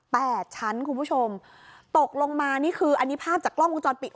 ชั้นคุณผู้ชมตกลงมานี่คืออันนี้ภาพจากกล้องวงจรปิด